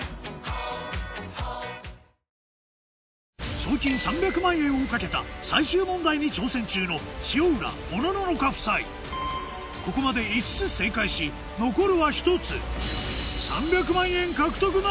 賞金３００万円を懸けた最終問題に挑戦中のここまで５つ正解し残るは１つさぁ！